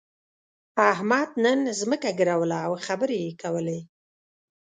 احمد نن ځمکه ګروله او خبرې يې کولې.